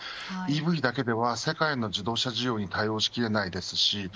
ＥＶだけでは世界の自動車需要に対応し切れないですし